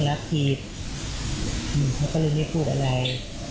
เราบอกให้พ่อการพาดไปกับกิจก็มี